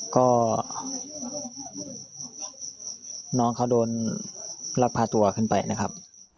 ก็น้องเขาโดนลักพาตัวขึ้นไปนะครับ